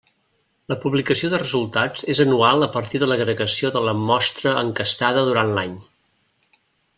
La publicació de resultats és anual a partir de l'agregació de la mostra enquestada durant l'any.